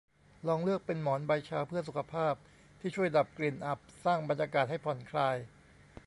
ลองเลือกเป็นหมอนใบชาเพื่อสุขภาพ ที่ช่วยดับกลิ่นอับ สร้างบรรยากาศให้ผ่อนคลาย